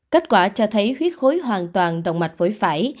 kết quả cho thấy huyết khối hoàn toàn đồng mạch với phải